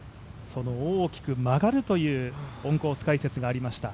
その大きく曲がるというオンコース解説がありました。